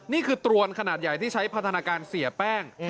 นี่คือตรวนขนาดใหญ่ที่ใช้พัฒนาการเสียแป้ง